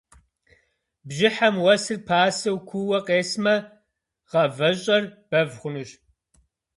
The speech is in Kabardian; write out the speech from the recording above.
Бжьыхьэм уэсыр пасэу, куууэ къесмэ, гъавэщӏэр бэв хъунущ.